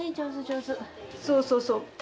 そうそうそう。